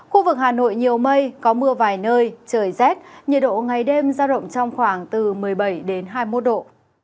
khu vực hà nội nhiều mây có mưa vài nơi trời rét nhiệt độ ngày đêm giao động trong khoảng từ một mươi bảy hai mươi một độ